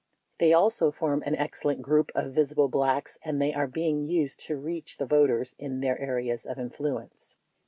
They also form an excellent group of visible Blacks and they are being used to reach the voters in their areas of influence.